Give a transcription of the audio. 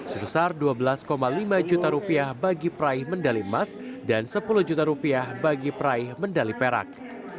sebesar dua belas lima juta rupiah bagi peraih medali emas dan sepuluh juta rupiah bagi peraih medali perak